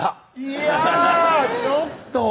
いやちょっと！